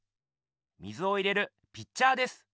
水を入れるピッチャーです。